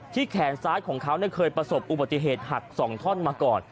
แขนซ้ายของเขาเคยประสบอุบัติเหตุหัก๒ท่อนมาก่อน